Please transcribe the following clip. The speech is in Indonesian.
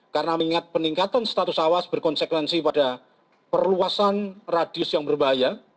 karena mengingat peningkatan status awas berkonsekuensi pada perluasan radius yang berbahaya